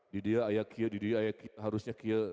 di dia ayah kill di dia ayah harusnya kill